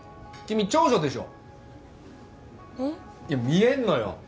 いや見えんのよ